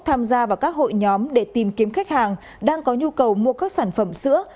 tham gia vào các hội nhóm để tìm kiếm khách hàng đang có nhu cầu mua các sản phẩm sữa